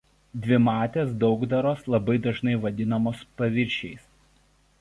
Dvimatės daugdaros labai dažnai vadinamos paviršiais.